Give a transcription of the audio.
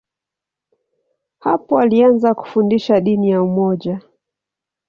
Hapo alianza kufundisha dini ya umoja.